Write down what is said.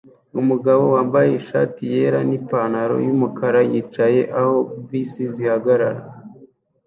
Umugabo wambaye ishati yera nipantaro yumukara yicaye aho bisi zihagarara